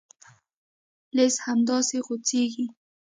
لیست همداسې غځېږي.